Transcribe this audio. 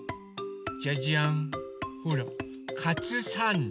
じゃじゃん。ほらカツサンド。